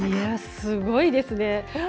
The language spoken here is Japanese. すごいですね。